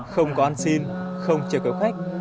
không có ăn xin không chè cầu khách